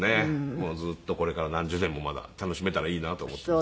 もうずっとこれから何十年もまだ楽しめたらいいなと思っています。